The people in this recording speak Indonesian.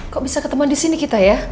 kok bisa ketemuan di sini kita ya